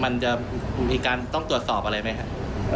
มันจะมีการต้องตรวจสอบอะไรไหมครับ